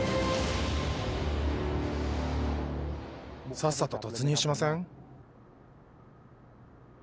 さっさととつ入しません？